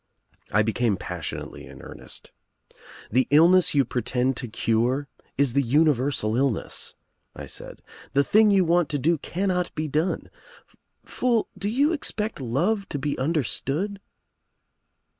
I became passionately in earnest. "The illness you pretend to cure is the universal illness," I said. "The thing you want to do cannot be done. Fool — do you expect love to be understood?"